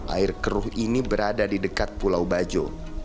air keruh ini berada di dekat pulau bajo